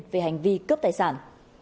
về hành vi cướp tài sản